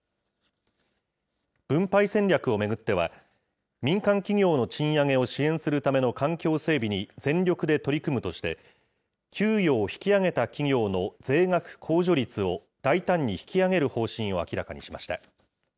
分配戦略を巡っては、民間企業の賃上げを支援するための環境整備に全力で取り組むとして、給与を引き上げた企業の税額控除率を大胆に引き上げる方針を明らかにしました。